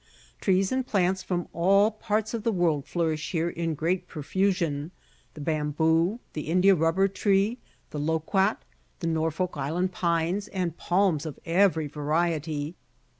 Trees and plants from all parts of the world flourish here in great profusion: the Bamboo, the India rubber tree, the Loquhat, the Norfolk Island pines, and Palms of every variety.